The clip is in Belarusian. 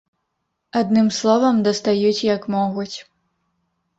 Адным словам, дастаюць як могуць.